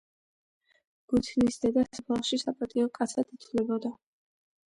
გუთნისდედა სოფელში საპატიო კაცად ითვლებოდა.